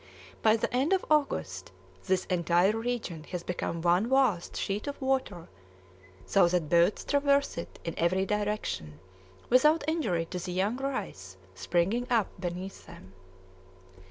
By the end of August this entire region has become one vast sheet of water, so that boats traverse it in every direction without injury to the young rice springing up beneath them.